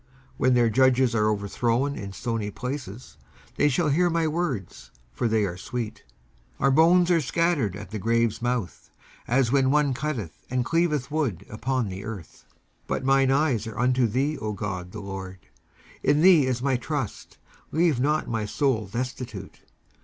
19:141:006 When their judges are overthrown in stony places, they shall hear my words; for they are sweet. 19:141:007 Our bones are scattered at the grave's mouth, as when one cutteth and cleaveth wood upon the earth. 19:141:008 But mine eyes are unto thee, O GOD the Lord: in thee is my trust; leave not my soul destitute.